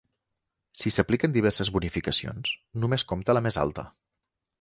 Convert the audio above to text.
Si s'apliquen diverses bonificacions, només compta la més alta.